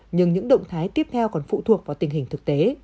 nhưng những động thái tiếp theo còn phụ thuộc vào tình hình thực tế